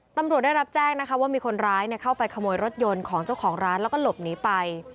ตำรวจได้รับแจ้งนะคะว่ามีคนร้ายเข้าไปขโมยรถยนต์ของเจ้าของร้านแล้วก็หลบหนีไป